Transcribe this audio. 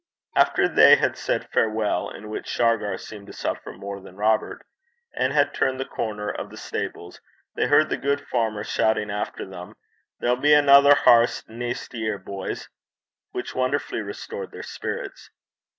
After they had said farewell, in which Shargar seemed to suffer more than Robert, and had turned the corner of the stable, they heard the good farmer shouting after them, 'There'll be anither hairst neist year, boys,' which wonderfully restored their spirits.